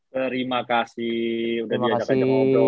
terimakasih udah diajak aja ngobrol